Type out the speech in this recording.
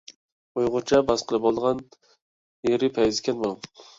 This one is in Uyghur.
ئۇيغۇرچە باسقىلى بولىدىغان يېرى پەيزىكەن بۇنىڭ.